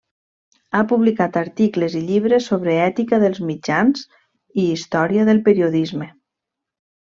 Ha publicat articles i llibres sobre ètica dels mitjans i història del periodisme.